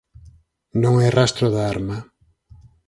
Non hai rastro da arma.